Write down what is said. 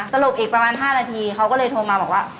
สลบอีกประมาณ๕นาทีเขาก็เลยโทรมาบอกว่า